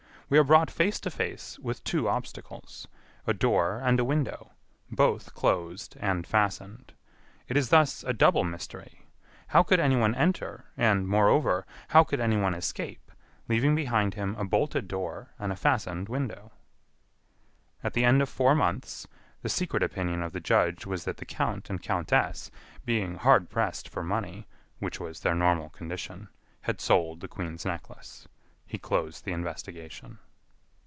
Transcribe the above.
We are brought face to face with two obstacles: a door and a window both closed and fastened. It is thus a double mystery. How could anyone enter, and, moreover, how could any one escape, leaving behind him a bolted door and a fastened window?" At the end of four months, the secret opinion of the judge was that the count and countess, being hard pressed for money, which was their normal condition, had sold the Queen's Necklace. He closed the investigation.